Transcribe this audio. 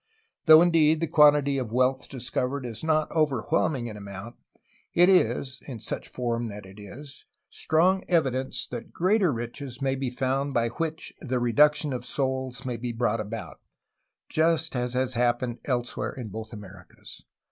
Though indeed the quantity of wealth discovered is not overhwelming in amount, it is [in such a form that it is] strong evidence that greater riches may be found by which the reduction of souls may be brought about, just as has hap pened [elsewhere] in both Americas